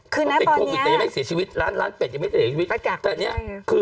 คือในปอนด์เนี้ยเป็นโควิดแต่ยังไม่เสียชีวิตร้านร้านเป็ดยังไม่เสียชีวิตแต่เนี้ย